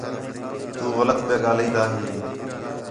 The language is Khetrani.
تُو غلط پیا ڳاہلین٘دا ہیں